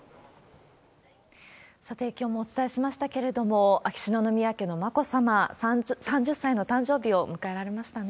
さて、きょうもお伝えしましたけれども、秋篠宮家の眞子さま、３０歳の誕生日を迎えられましたね。